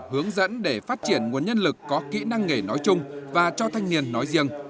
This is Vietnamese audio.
hướng dẫn để phát triển nguồn nhân lực có kỹ năng nghề nói chung và cho thanh niên nói riêng